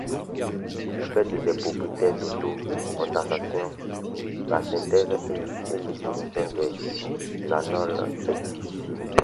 Du fait de ces propriétés d'auto-condensation, la synthèse et l'isolation des silanols est difficile.